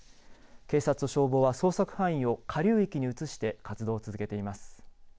警察と消防は捜索範囲を下流域に移して活動を続けています。